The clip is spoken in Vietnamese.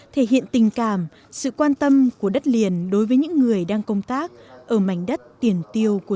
thể hiện tình cảm sự quan tâm của đất liền đối với những người đang công tác ở mảnh đất tiền tiêu của